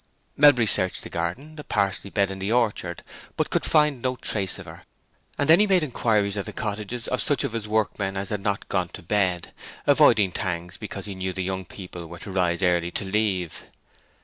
Melbury searched the garden, the parsley bed, and the orchard, but could find no trace of her, and then he made inquiries at the cottages of such of his workmen as had not gone to bed, avoiding Tangs's because he knew the young people were to rise early to leave.